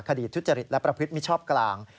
คดีทุจริตและประพฤติมิชชอบกลาง